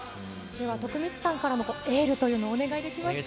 では、徳光さんからもエールというのをお願いできますか。